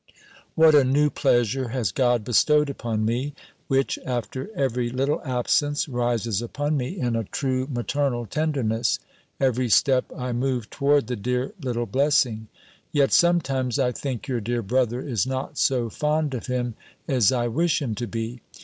What a new pleasure has God bestowed upon me; which, after every little absence, rises upon me in a true maternal tenderness, every step I move toward the dear little blessing! Yet sometimes, I think your dear brother is not so fond of him as I wish him to be.